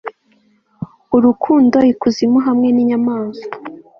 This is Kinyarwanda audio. Urukundo ikuzimu hamwe ninyamaswa